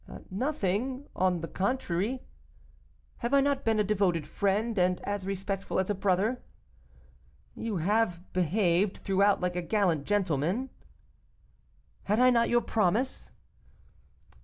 'Nothing, on the contrary.' 'Have I not been a devoted friend, and as respectful as a brother?' 'You have behaved throughout like a gallant man.' 'Had I not your promise?